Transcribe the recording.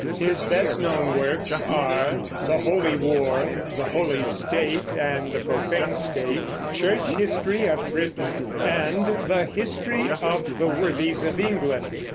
His best known works are The Holy War, The Holy State and the Profane State, Church History of Britain, and the _History of the Worthies of England.